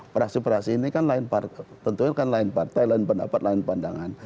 praksi praksi ini kan lain tentunya kan lain partai lain pendapat lain pandangan